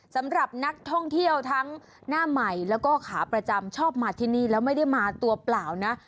สำหรับนักท่องเที่ยวทั้งหน้าใหม่แล้วก็ขาประจำชอบมาที่นี่แล้วไม่ได้มาตัวเปล่านะ